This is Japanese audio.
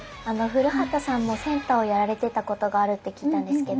古畑さんもセンターをやられてたことがあるって聞いたんですけども。